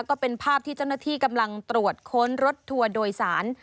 ก็เป็นภาพที่เจ้าหน้าที่กำลังตรวจค้นรถทัวร์โดยสาร